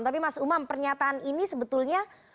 tapi mas umam pernyataan ini sebetulnya